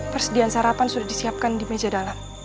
persediaan sarapan sudah disiapkan di meja dalam